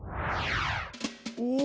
お！